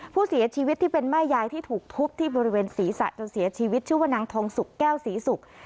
ผู้เสียชีวิตที่เป็นแม่ยายที่ถูกทุบที่บริเวณศีรษะจนเสียชีวิตชื่อว่านางทองสุกแก้วศรีศุกร์